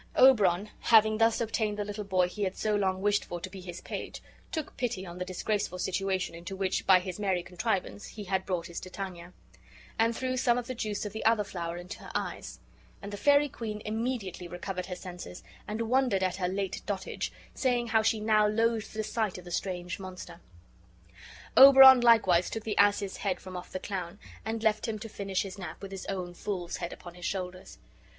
Oberon, having thus obtained the little boy he had so long wished for to be his page, took pity on the disgraceful situation into which, by his merry contrivance, he had brought his Titania, and threw some of the juice of the other flower into her eyes; and the fairy queen immediately recovered her senses, and wondered at her late dotage, saying how she now loathed the sight of the strange monster. Oberon likewise took the ass's head from off the clown, and left him to finish his nap with his own fool's head upon his shoulders.